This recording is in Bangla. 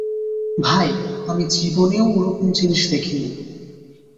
ভাই, আমি জীবনেও ওরকম জিনিস দেখিনি।